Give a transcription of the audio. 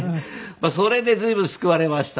まあそれで随分救われましたね。